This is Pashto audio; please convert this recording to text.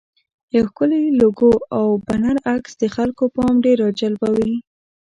یو ښکلی لوګو او بنر عکس د خلکو پام ډېر راجلبوي.